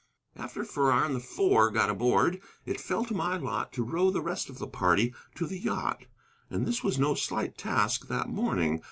After Farrar and the Four got aboard it fell to my lot to row the rest of the party to the yacht. And this was no slight task that morning.